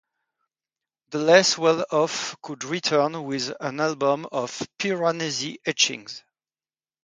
The less well-off could return with an album of Piranesi etchings.